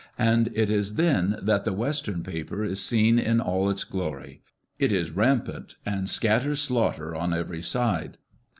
[Conducted by it is then that the western paper is seen in all its glory. It is rampant, and scatters slaughter on every side.